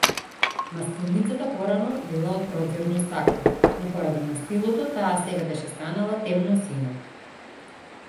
Мастилницата порано била од проѕирно стакло, но поради мастилото таа сега беше станала темносина.